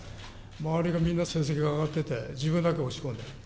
周りがみんな成績が上がってて、自分だけ落ち込んで。